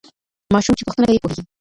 ماشوم چي پوښتنه کوي پوهېږي.